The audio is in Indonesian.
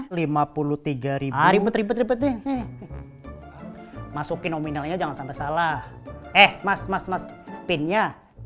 ribet ribet ribet deh masukin nominalnya jangan sampai salah eh mas mas mas mas pinnya